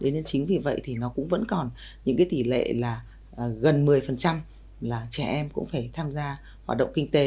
nên chính vì vậy thì nó cũng vẫn còn những tỷ lệ là gần một mươi là trẻ em cũng phải tham gia hoạt động kinh tế